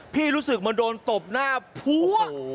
รู้สึกมันโดนตบหน้าพัว